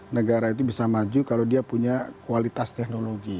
negara itu bisa maju kalau dia punya kualitas teknologi